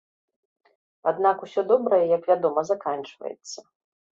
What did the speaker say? Аднак усё добрае, як вядома, заканчваецца.